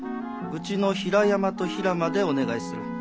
うちの平山と平間でお願いする。